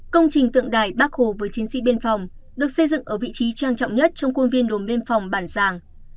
công trình tượng đài bác hồ với chiến sĩ biên phòng được xây dựng ở vị trí trang trọng nhất trong khuôn viên đồn biên phòng bản giàng